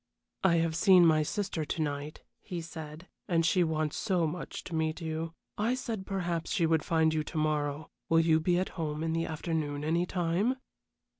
"I have seen my sister to night," he said, "and she wants so much to meet you. I said perhaps she would find you to morrow. Will you be at home in the afternoon any time?"